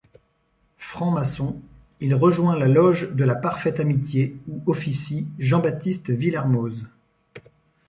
Franc-maçon, il rejoint la loge de la parfaite amitié où officie Jean-Baptiste Willermoz.